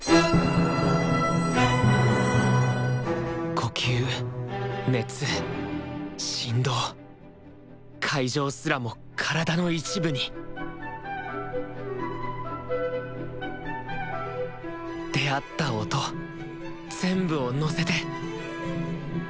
呼吸熱振動会場すらも体の一部に出会った音全部を乗せて。